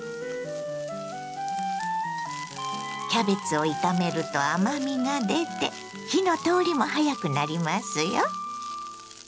キャベツを炒めると甘みが出て火の通りも早くなりますよ。